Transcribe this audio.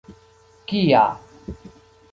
kia